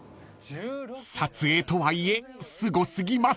［撮影とはいえすご過ぎます］